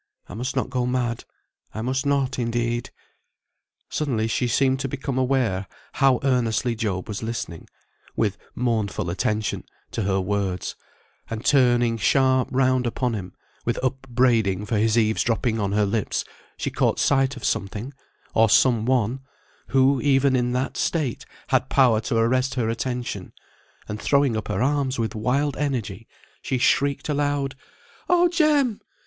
I must not go mad. I must not, indeed." Suddenly she seemed to become aware how earnestly Job was listening (with mournful attention) to her words, and turning sharp round upon him, with upbraiding for his eaves dropping on her lips, she caught sight of something, or some one, who, even in that state, had power to arrest her attention, and throwing up her arms with wild energy, she shrieked aloud, "Oh, Jem!